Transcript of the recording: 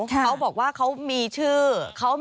เขาบอกว่าเขามีชื่อ